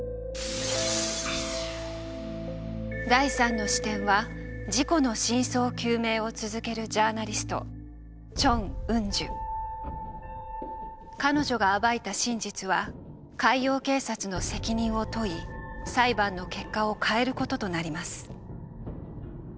第３の視点は事故の真相究明を続けるジャーナリスト彼女が暴いた真実は海洋警察の責任を問い裁判の結果を変えることとなります。